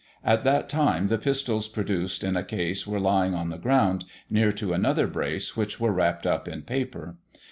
At that time, the pistols produced, in a case, were lying on the ground, near to another brace, which were wrapped up in paper.